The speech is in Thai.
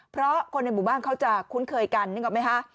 เพราะคนในหมู่บ้านเขาจะคุ้นเคยกันนึกออกไหมคะ